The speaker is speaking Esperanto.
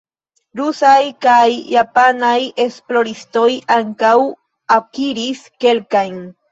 Rusaj kaj japanaj esploristoj ankaŭ akiris kelkajn.